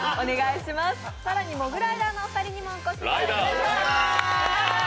更にモグライダーの２人にもお越しいただきました。